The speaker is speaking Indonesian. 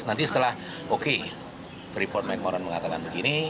nanti setelah freeport mek moran mengatakan begini